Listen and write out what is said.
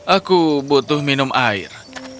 aku butuh minum air